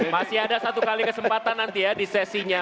masih ada satu kali kesempatan nanti ya di sesinya